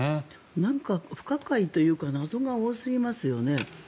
なんか不可解というか謎が多すぎますよね。